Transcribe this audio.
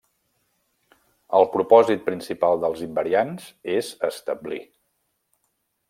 El propòsit principal dels invariants és establir.